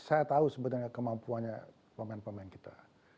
saya tahu sebenarnya kemampuannya pemain pemain kita